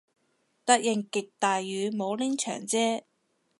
突然極大雨，冇拎長遮